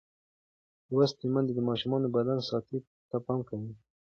لوستې میندې د ماشوم د بدن ساتنې ته پام کوي.